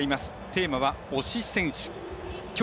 テーマは「推し選手」。